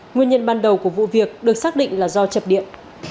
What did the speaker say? nguyên nhân ban đầu của vụ việc được xác định là do chập điện